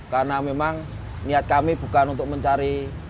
karena memang niat kami bukan untuk mencari